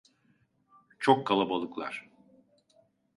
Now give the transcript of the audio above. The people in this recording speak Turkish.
Çok kalabalıklar.